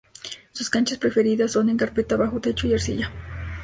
Sus canchas preferidas son en carpeta bajo techo y arcilla.